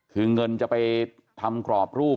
คือเงินจะไปทำกรอบรูป